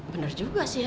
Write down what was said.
bener juga sih ya